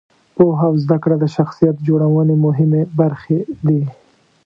پوهه او زده کړه د شخصیت جوړونې مهمې برخې دي.